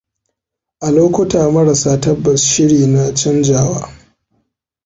A lokuta marasa tabbas shiri na chanjawa.